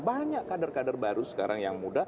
banyak kader kader baru sekarang